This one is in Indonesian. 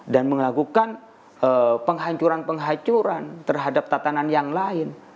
dan melakukan penghancuran penghancuran terhadap tatanan yang lain